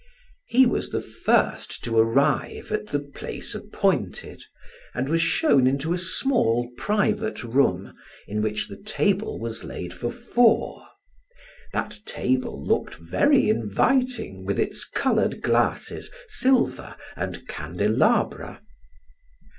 He was the first to arrive at the place appointed and was shown into a small private room, in which the table was laid for four; that table looked very inviting with its colored glasses, silver, and candelabra.